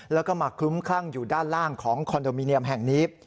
แล้วก็มาคลุ้มคลั่งอยู่ด้านล่างของคอนโดมิเนียมแห่งนี้